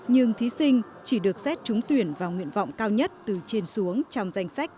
nhưng thí sinh chỉ được xét trúng tuyển vào nguyện vọng cao nhất từ trên xuống trong danh sách